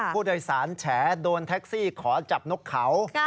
ผู้โดยสารแฉโดนแท็กซี่ขอจับนกเขา